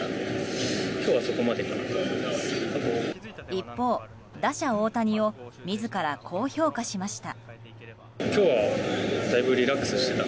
一方、打者・大谷を自らこう評価しました。